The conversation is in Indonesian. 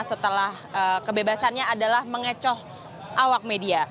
setelah kebebasannya adalah mengecoh awak media